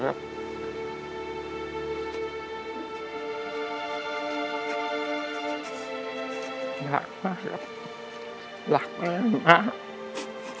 รักมากครับรักมาก